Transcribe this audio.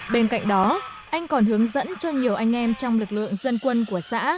bên cạnh đó anh còn hướng dẫn cho nhiều anh em trong lực lượng dân quân của xã